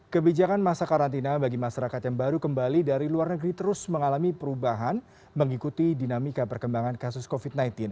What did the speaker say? kebijakan masa karantina bagi masyarakat yang baru kembali dari luar negeri terus mengalami perubahan mengikuti dinamika perkembangan kasus covid sembilan belas